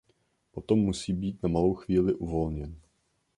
Potom musí být na malou chvíli uvolněn.